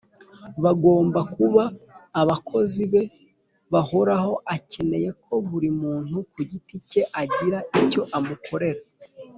. Bagomba kuba abakozi be bahoraho. Akeneye ko buri muntu ku giti cye agira icyo amukorera